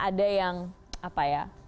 ada yang apa ya